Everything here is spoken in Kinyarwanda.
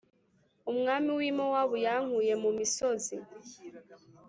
Umwami w i Mowabu yankuye mu misozi